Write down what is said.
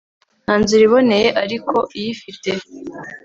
Nta nzira iboneye ariko iyifite